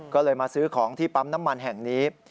ก็เลยมาซื้อของที่ปั๊มน้ำมันแห่งนี้